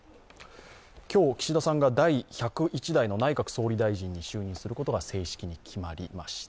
今日、岸田さんが第１０１代内閣総理大臣に就任されたことが正式に決まりました。